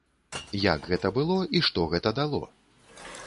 Як гэта было і што гэта дало?